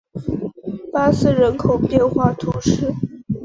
巴斯人口变化图示